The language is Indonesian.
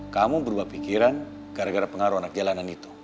kamu berubah pikiran gara gara pengaruh anak jalanan itu